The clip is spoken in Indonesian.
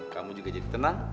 kamu juga jadi tenang